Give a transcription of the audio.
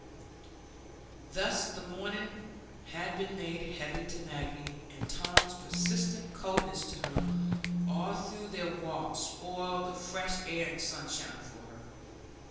Thus the morning had been made heavy to Maggie, and Tom's persistent coldness to her all through their walk spoiled the fresh air and sunshine for her.